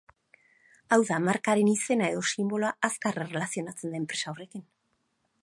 Hau da, markaren izena edo sinboloa azkar erlazionatzen da enpresa horrekin.